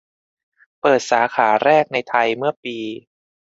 เปิดสาขาแรกในไทยเมื่อปี